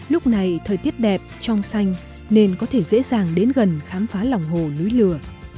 lúc này thời tiết đẹp trong xanh nên có thể dễ dàng đến gần khám phá lòng hồ núi lửa